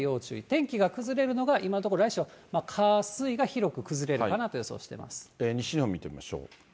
天気が崩れるのが今のところ、来週の火、水が広く崩れるかなと予西日本見てみましょう。